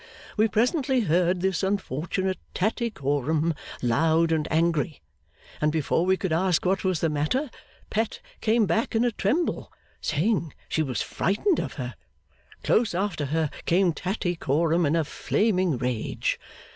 We presently heard this unfortunate Tattycoram loud and angry, and before we could ask what was the matter, Pet came back in a tremble, saying she was frightened of her. Close after her came Tattycoram in a flaming rage.